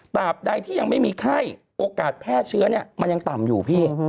บใดที่ยังไม่มีไข้โอกาสแพร่เชื้อเนี่ยมันยังต่ำอยู่พี่